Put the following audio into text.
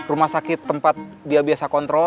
rumah sakit tempat dia biasa kontrol